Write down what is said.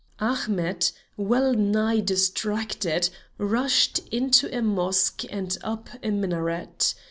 Ahmet, well nigh distracted, rushed into a mosque and up a minaret.